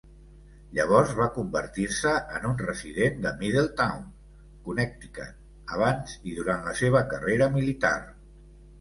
Llavors va convertir-se en un resident de Middletown, Connecticut, abans i durant la seva carrera militar.